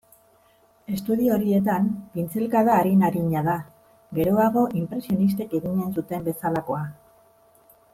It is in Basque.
Estudio horietan pintzelkada arin-arina da, geroago inpresionistek eginen zuten bezalakoa.